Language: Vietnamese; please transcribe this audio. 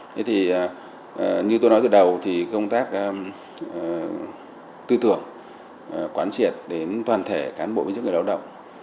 thế thì như tôi nói từ đầu thì công tác tư tưởng quán triệt đến toàn thể cán bộ viên chức người lao động